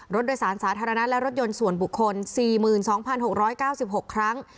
รถโดยสารสาธารณะและรถยนต์ส่วนบุคคล๔๒๖๙๖ครั้ง